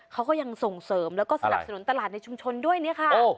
เขาก็ยังส่งเสริมแล้วก็สนับสนุนตลาดในชุมชนด้วยเนี่ยค่ะ